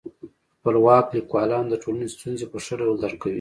خپلواک لیکوالان د ټولني ستونزي په ښه ډول درک کوي.